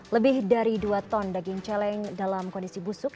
lebih dari dua ton daging celeng dalam kondisi busuk